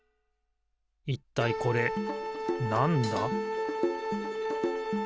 いったいこれなんだ？